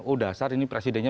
oh dasar ini presidennya